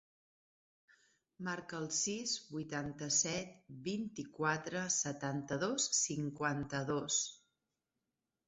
Marca el sis, vuitanta-set, vint-i-quatre, setanta-dos, cinquanta-dos.